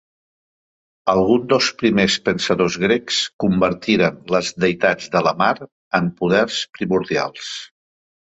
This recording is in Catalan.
Alguns dels primers pensadors grecs convertiren les deïtats de la mar en poders primordials.